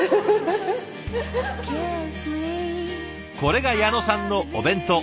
これが矢野さんのお弁当。